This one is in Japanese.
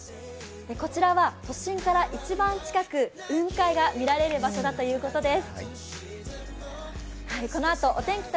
こちらは都心から一番近く雲海が見られる場所だということです。